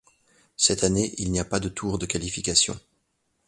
Cette année, il n'y a pas de tour de qualification.